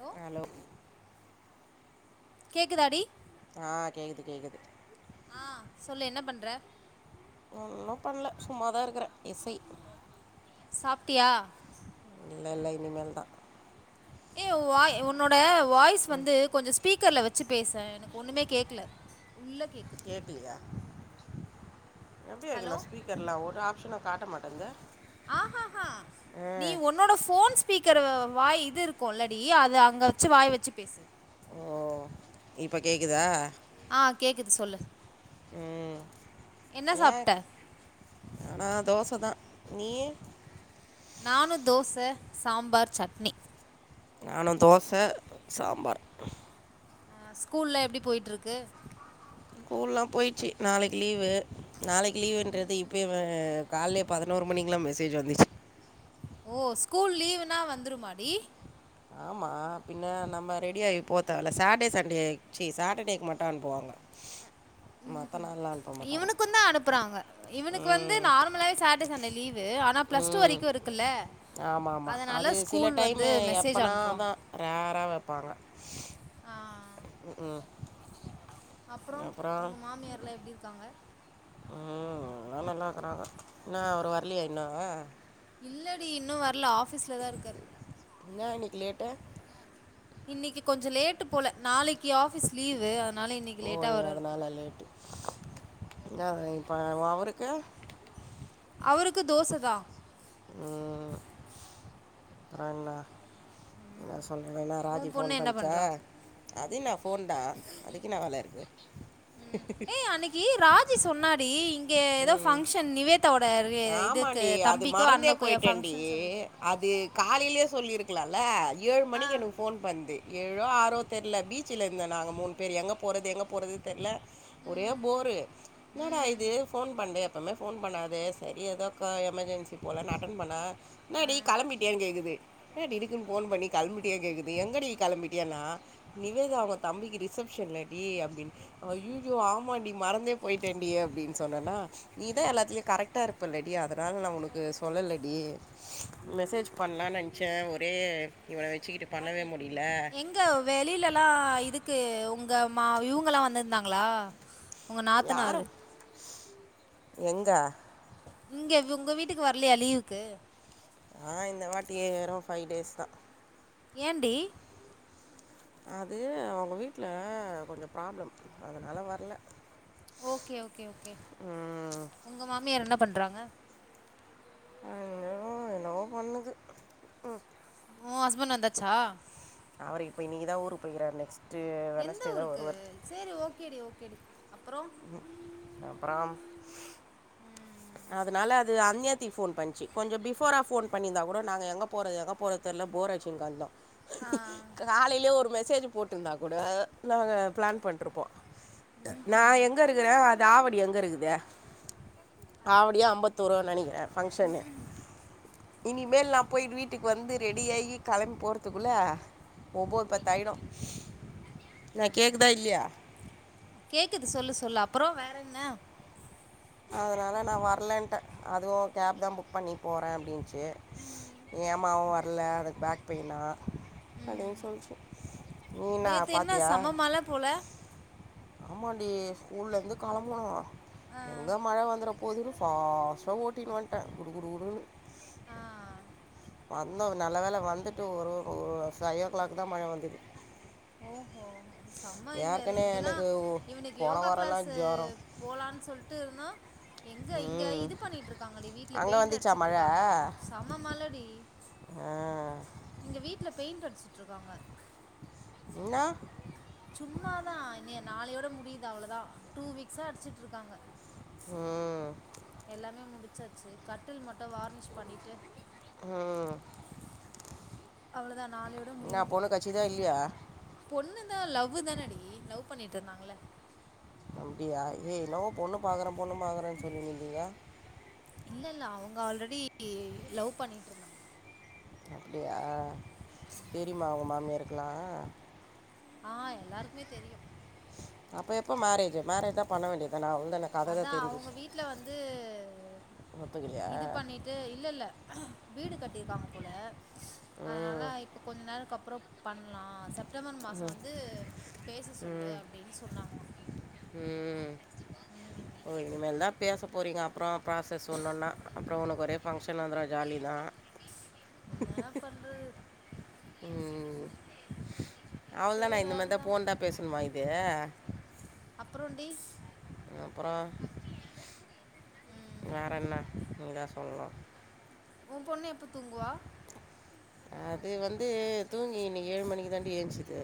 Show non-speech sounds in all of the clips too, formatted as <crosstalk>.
Hello hello கேக்குதாடி ஆ கேக்குது கேக்குது ஆ சொல்லு என்ன பண்ற ஒன்னு பண்ல சும்மாதா இருக்கறே எஸ் ஐ சாப்ட்டியா இல்ல இல்ல இனிமேல்தா ஏ உவாய் உன்னோட வாய்ஸ் ம் வந்து கொஞ்சொ ஸ்பீக்கர்ல வ ச்சு பேசே எனக்கு ஒண்ணுமே கேக்கல உள்ள கேக்குது ஹலோ எப்படியாக்குன்ன ஸ்பீக்கர்ல்லா ஒரு ஆப்ஷனு காட்ட மாட்டெங்குது ஆ ஹ ஹ நீ ஒன்னோட ஃபோன் ஸ்பீக்கர வாய் இது இருக்குலடி அது அங்க வச்சு வாய் வச்சு பேசு ஓ இப்ப கேக்குதா ஆ கேக்குது சொல்லு ம் என்ன சாப்ட்ட நானா தோசதா நீயி நானு தோச சாம்பார் சட்னி நானு‌ தோச சாம்பார் அ ஸ்கூல்ல எப்டி போய்ட்ருக்கு ஸ்கூல்லா போயிச்சு நாளைக்கு லீவு நாளைக்கு லீவுன்றது இப்பயே அ கால்லே பதினோரு மணிக்கெல்லா மெசேஜ் வந்துச்சு ஓ ஸ்கூல் லீவ்னா வந்துருமாடி ஆமா பின்ன நம்ம ரெடி ஆயி போதேவல்ல சாட்டே சண்டே ச்சீ சாட்டடேக்கு மட்டு அனுப்புவாங்க மற்ற ம் நாள்லாம் அனுப்ப மாட்டாங்க இவனுக்கு தா அனுப்புறாங்க இவனுக்கு வந்து ம் நார்மலாவே சாட்டர்டே சண்டே லீவ் ஆனா பிளஸ் டூ வரிக்கு இருக்குல்ல ஆமா ஆமா அது அதனால சில ஸ்கூல் வந்து டைம் மெசேஜ் அப்பனா அனுப்புவாங்க அதா ரேரா வப்பாங்க ஆ, ம் ம் அப்றோ அப்புறம் உங்க மாமியார்லா எப்டி இருக்காங்க ம் அதலா நல்லா இருக்குறாங்க என்ன அவரு வரலயா இன்னூ இல்லடி இன்னு வரல ஆபீஸ்லதா இருக்காரு என்னா இன்னிக்கு லேட்டு இன்னிக்கு கொஞ்சோ லேட்டு போல நாளைக் கி ஆஃபீஸ் லீவு அதனால இன்னைக்கு ஓ லேட்டா வரார் போல அதனால் பா அவருக்கு அவருக்கு தோசதா ம் அப்றோ என்ன என்ன சொ சொன்னனா ராஜி உன் பொண்ணு ஃபோன் என்ன பண்சா பண்றா அது என்ன ஃபோன் தா அதுக்கு என்ன வேல இருக்கு ம் ஏய் அன்னைக்கு ராஜி சொன்னாடி இங்க இங்க ஏதோ ம் ஃபங்க்ஷன் நிவேதாவோட இதுக்கு ஆமாண்டி அது தம்பிக்கோ அண்ணக்கோ ஃபங்க்ஷன் சொல்லிட்டு ஏ காலையிலே சொல்லியிருக்கலால்ல ஏழு மணிக்கு ஆ எனக்கு ஃபோன் பண்து ஏழோ ஆறோ தெர்ல பீச்ல இருந்த நாங்க மூணு பேர் எங்க போறது எங்க போறது தெர்ல ஒரே போர் என்னடா இது ஃபோன் பண்து எப்பமே ஃபோன் பண்ணாது சரி ஏதோ எமர்ஜென்சி போலன்னு நா அட்டன் பண்ணா என்னாடி கெளம்பி டியானு கேக்குது என்னடி இருக்குனு ஃபோன் பண்ணி கெளம்பிடியா கேக்குது எங்கடி கெளம்பிடியானா நிவேதா அவுங் தம்பிக்கு ரிசப்ஷன்ல்லடி அப்டினு அய்யய்யோ ஆமாடி மறந்தே போயிட்டன்டி அப்டின் சொன்னன்னா நீதா எல்லாத்துலயு கரக்டா இருப்பல்லடி அதனால நா உனக்கு சொல்லலடி மெசேஜ் பண்லானு நென்ச்சே ஒரே இவன வச்சுகிட்டு பண்ணவே முடி எங்க வெளிலல்லா இதுக்கு உங்க மா இவுங்கல்லா வந்திருந்தாங்களா உங்க நாத்தனாரு எங்க இங்க உங்க வீட்டுக்கு வரலயா லீவுக்கு ஆ இந்த வாட்டியே ஏறோ ஃபைவ் டேஸ் தா ஏன்டி அது அவுங்க வீட்ல கொஞ்சோ ப்ராப்ளம் அதனால வர்ல ஓகே ஓகே ஓகே உங்க மாமியார் என்ன பண்றாங்க அது என்னவோ பண்ணுது ம் ஓ ஹஸ்பண்ட் வந்தாச்சா அவரு இப்போ இன்னிக்கி தா ஊருக்கு போய்கிறார் நெக்ஸ் எந்த ஊருக்கு சரி ஓகேடி ஓகேடி அப்புறம் ம் அப்பறாம் அதனால அது அன்யாத்தி ஃபோன் பன்ச்சு கொஞ்சம் பிஃபோரா போன் பண்ணிருந்தா கூட நாங்க எங்க போறது எங்க போறது ல்ல போராட்சிங்கந்தோம் ஆ காலையிலயே ஒரு மேசே சேஜ் போட்டுருந்தா கூட நாங்க பிளான் பண்ட்ருப்போ நா எங்க இருக்கறே அது ஆவடி எங்க இருக்குத ஆவடியா ஐம்பத்தூரோனு நெனைக்கிறே ஃபங்க்ஷனு இனிமேல் நான் போய் வீட்டுக்கு வந்து ரெடி ஆகி கெளம்பி போறதுக்குள்ள ஒம்போது பத்தாயிடு என்ன கேக்குதா இல்லியா கேக்குது சொல்லு சொல்லு அப்பறம் வேற என்ன அதனால நா வரலன்ட்ட அதுவு கேப் தா புக் பண்ணி போறே அப்டின்ச்சு ஹேமாவு வர்ல அதுக் பேக் பெயினா அப்டின்னு சொல்ச்சு நீன்ன நேற்று என்ன பாத்தியா செம மழை போல ஆமாண்டி ஸ்கூல்ல இர்ந்து கெளம்புனோம் எங்க மழை வந்துரும் போதுனு ஃபாஸ்ட்டா ஓட்டின் வந்ட்டேன் குடு குடு குடுன்னு ஆ வந்தோ நல்ல வேல வந்துட்டு ஒரு ஃபைவ் ஓ கிளாக் தா மழ வந்தது ஓஹோ சம்ம இங்கல்ல ஏற்கனவே இங்கல்லா எனக்கு இவனுக்கு போன யோகா கிளாஸ் வாரம்லாம் ஜுரம் போலான் சொல்டுருந்தா எங்க இங்க ம் இது பண்ணிட்டு இருக்காங்க வீட்ல அங்கே பெய்ண்ட் வந்துச்சா மழை அடிச்சிட்ருக்காங்க சம்ம மழடி ஆ இங்க வீட்ல பெய்ண்ட் அடிச்சிட்ருக்காங்க ன்னா சும்மாதா இன்னய நாளையோட முடியுது அவ்ளோதா டூ வீக்ஸா அடிச்சிட்ருக்காங்க ம் எல்லாமே முடிச்சாச்சு கட்டில் மட்டு வார்னிஷ் பண்ணிட்டு ம் அவ்ளோதா நாளயோட என்ன முடியுது பொண்ணு கட்சிதா இல்லையா பொண்ணு தா லவ் தானடி லவ் பண்ணிட்ருந்தாங்கல்ல அப்டியா ஏ என்னவோ பொண்ணு பாக்கறே பொண்ணு பாக்கறேன் சொல்லின்னுருந்தீங்க இல்லல்ல அவங்க ஆல்ரெடி லவ் பண்ணிட்ருந்தாங் அப்டியா தெரியுமா உங்க மாமியாருக்கலா ஆ எல்லாருக்குமே தெரியு இப்ப எப்ப மாரேஜ் மாரேஜ் தான் பண்ண வேண்டியதான அதா அவங்க வீட்ல வந்து ஒத்துக்கலையா இது பண்ணிட்டு இல்லல்ல வீடு கட்டியிருக்காங்க போல அதனால ம் இப்ப கொஞ்ச நாள்க்கு அப்றம் பண்லா செப்டம்பர் மாச வந்து பேச சொல்லு ம் அப்டின் சொன்னாங்களா ம் ஓய் இனிமேல் தா பேச போறீங்க அப்றம் ப்ராஸஸ் ஒன்னொன்னா அப்றம் உனக்கு ஒரே ஃபங்க்ஷன் வந்துடும் ஜாலி தா என்ன பண்றது ம் அவ்ளதான சேரி இந்த மாத்தி தா அதுதா போன் தா பேசண்மா இது அப்புறண்டி அப்றம் வேற என்ன நீதா சொல்னு ஒ பொண்ணு எப்ப தூங்குவா இது வந்து தூங்கி இன்னக்கு ஏழு மணிக்கு தாண்டி ஏஞ்சது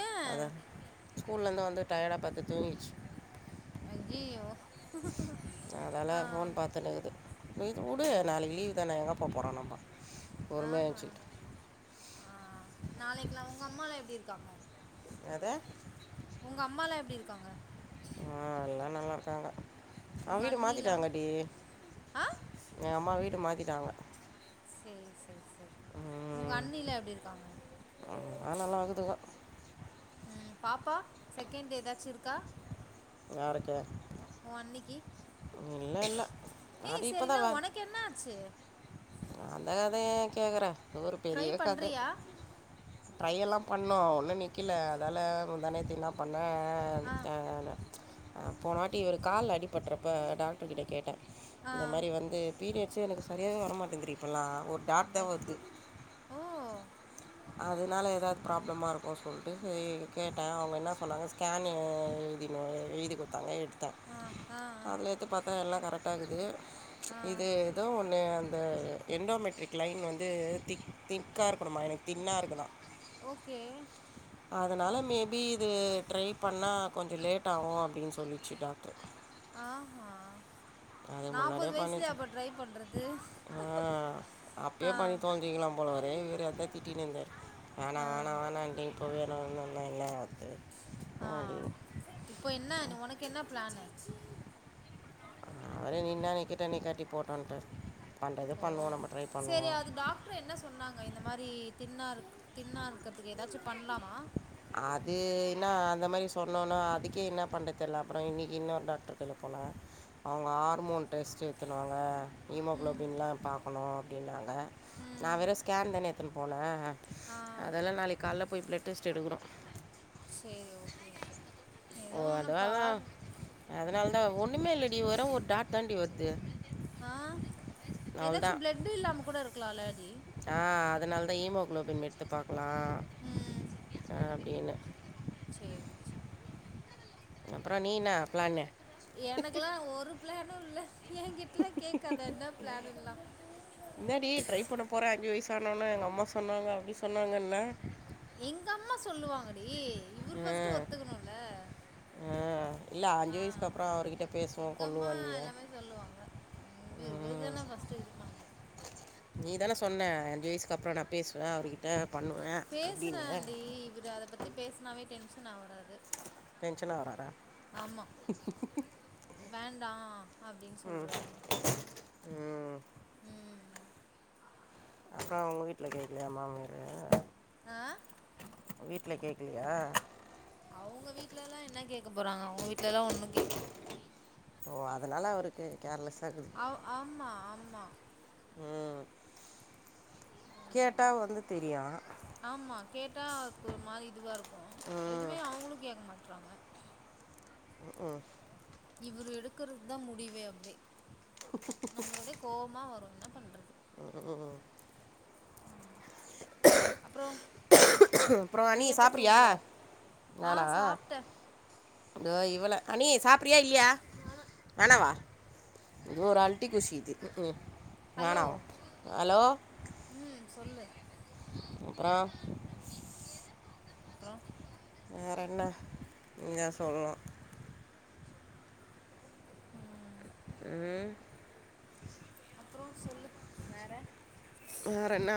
ஏ அதா ஸ்கூல்லருந்து வந்து டயர்டா பட்த்து தூங்கிச்சு அய்யயோ அதால போன் பாத்துனுக்குது இது ஓ உடு நாளைக்கு லீவ் தானே எங்க போ பொற <unintelligible> ஆஹ ஆ நாளைக்லா உங்க அம்மால எப்டிருக்காங்க அதே உங்க அம்மாலா எப்டிருக்காங்க நல்லாருக்காங்க அவுங்க உங்க வீடு அண்ணிலா மாத்திட்டாங்க டி ஆ எ அம்மா வீடு மாத்தி ட்டாங்க சேரி சேரி சேரி உங்க அண்ணிலா எப்டிருக்காங்க அதெல்லாம் நல்லா இருக்குதுங்க ம் பாப்பா செகண்ட்டு ஏதாச்சுருக்கா <unintelligible> ஒ அண்ணிக்கு இல்லை இல்லை அது ஏய் இப்போ சரினா தான் வேன் ஒனக் என்ன ஆச்சு அந்த கதையயேன் கேக்குற அது ஒரு ட்ரை பெரிய கத பண்றியா ட்ரை எல்லா பண்ணோ ஒன்னும் நிக்கல அதால முந்தானேத்து என்னா பண்ணே ஆ அ அ போனவாட்டி இவருக்கு ஒரு காலில் அடிபட்டுறப்ப டாக்டர்கிட்ட கேட்டே ஆ இந்த மாதிரி வந்து பீரியட்ஸே எனக் சரியாவே வர மாட்டேங்குதுடி இப்போல்லா ஒரு டாக்டர் அச் வந்து ஓ அதனால ஏதா ப்ராப்ளமா இருக்கு சொல்லிட்டு கேட்டேன் அவங்க என்ன சொன்னாங்க ஸ்கேன் இது எழுதி நாங்க எழுதி கொடுத்தாங்க எடுத்தா ஆ ஆ ஆ அதிலெடுத்து பாத்தா எல்லா கரெக்டா இக்குது ஆ இது ஏதோ ஒன்னே இந்த என்டோமெட்ரிக் லைன் வந்து திக் திக்கா இருக்கணுமா எனக்கு தின்னா இருக்குதா ஓகே அதனால மேபி இது ட்ரை பண்ணா கொஞ்சொ லேட் ஆகும் அப்படின்னு சொல்லிச்சு டாக்டர் ஆ ஹா அது நாப்பது முன்னாடியே வயசுலயா பண்ணிச்சு அப்ப ட்ரை பண்றது ஆ அப்பயே ஆ பண்ணி தொழஞ்சிக்கலா போல வரே இவரு அதா திட்டின் இருந்தாரு ஆனா ஆ வேணா வேணானு இப்ப வேணும்னா என்ன ஆகுது ஆ இப்போ என்ன நீ உனக்கு என்ன பிளானு அவரே நிண்ணா நிக்கட்டும் நிக்காட்டி போட்டுன்ட்டாரு ஓ சேரி அது டாக்டர் என்ன சொன்னாங்க இந்த மாரி தின்னா இருக் தின்னா இருக்கதுக்கு ஏதாச்சு பண்லாமா அது என்னா அ அந்த மேரி சொன்னோன்னா அதுக்கே என்ன பண்ணறது தெரியல அப்புறம் இன்னைக்கு இன்னொரு டாக்டர் கிட்ட போனா அவங்க ஹார்மோ டெஸ்டு எடுத்துனுவாங்க ஹிமோகுளோபின்லாம் பாக்கணும் அப்படின்னாங்க நான் ம் வெறும் ஸ்கேன் தான எடுத்துன்னு போனே ஆ அதெல்லா நாளைக்கு காலயில போய் பிளட் டெஸ்ட் எடுக்கனோ செரி ஓகே ஓகே ஓ ஏதோ உன்ன அதனால பார் அதனால தா ஒண்ணுமே இல்லடி வர ஒரு டாட் தாண்டி வருது ஆ அவள் ஏதாச்சும் தான் பிளட்டு இல்லாம கூட இருக்கலாம்லடி ஆ அதனால தான் ஹமோகுளோபின் எடுத்து பாக்கலாம் ம் அப்டினு செரி செரி அப்புற நீஎன்னா ப்ளானு எனக்குல்லா ஒரு பிளானும் இல்ல என்கிட்டலா கேக்காத என்ன பிளானு எல்லா என்னாடி ட்ரை பண்ண போறே அஞ்சு வயசான ஒனே எங்க அம்மா சொன்னாங்க அப்டி சொன்னாங்கன்ன எங்க அம்மா சொல்லுவாங்கடி இவரு ஃபர்ஸ்ட்டு ஒத்துக்கணும்ல ஆ இல்ல அஞ்சு வயசுக்கு அப்புறம் அவர்கிட்ட பேசுவோ எங்க கொல்லுவோ நீயே இங்க இவர் தான ஃபர்ஸ்ட்டு இது பண்ணோ நீதான சொன்ன அஞ்சு வயசுக்கு அப்புறம் நான் பேசுவே அவர்கிட்ட பண்ணுவேன் அப்படின்னு பேசுனேண்டி இவரு அத பத்தி பேசுனாவே டென்ஷன் ஆவுராரு டென்ஷன் ஆவுறாற வேண்டா அப்டின்னு சொல்றாரு ம், ம் அப்புறம் அவங்க வீட்டுல கேட்க்கலயா மாமியார் ஆ வீட்டுல கேக்கலயா அவங்க வீட்ல எல்லா என்ன கேட்க போறாங்க அவங்க வீட்டு்ல எல்லாம் ஒன்னும் கேக்கல ஓ அதனால அவருக்கு கேர்லெஸ் ஆகுது ஔ ஆமா ஆமா ம் கேட்டா வந்து தெரியும் ஆமா கேட்டா அதுக்கு ஒரு மாதிரி இதுவாக இருக்கும் ம், எதுவுமே அவங்களும் கேக்க மாட்றாங்க ம் ம் இவர் எடுக்கிறது தா முடிவே அப்டி நம்மளுக் அப்டி கோவமா வரும் அப்றோ அப்புற நீ அண்ணி எப்போ சாப்பறியா தூங்குவ ஆ நானா சாப்ட்டே இவ்ள அனி சாப்பிறியா இல்லையா வேனவா இது ஒரு அல்ட்டி குஷிது ம் ஹலோ வாணாவா ஹலோ ம் சொல்லு அப்ற அப்றோ வேற என்ன நீதா சொல்ணு ம் அப்றொ சொல்லு வேற வேரன்ன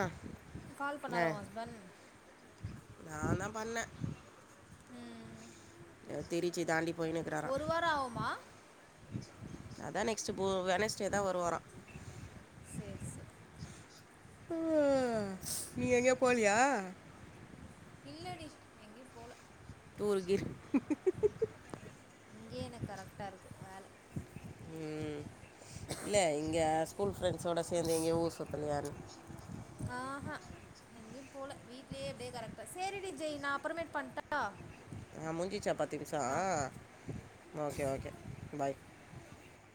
கால் அ பண்ணாரா உ ஹஸ்பண்ட் நா தா பண்ண ம் திருச்சி தாண்டி போயின்னு இக்கிறாரா ஒரு வாரோ ஆகுமா அதா இன்னிக் ஸ்போ வெனஸ்டே தா வருவாரா சேரி சேரி அ நீங்க எங்க போலியா இல்லடி எங்கயு போல தூர்கிர் இங்கயே எனக்கு கரெக்டா இருக்கு வேல ம். இல்லை இங்கே ஸ்கூல் ஃப்ரெண்ட்ஸோட சேந்து எங்கயு ஊர் சுத்தலையானு ஆஹா எங்கய போல வீட்லயே அப்படியே கரெக்டா சரி டி ஜெய் நா அப்ரமேட் பண்ட்டா ஆ மூஞ்சிச்சா ஆ பத்திங்கிமிஷம் ஓகே ஓகே பாய்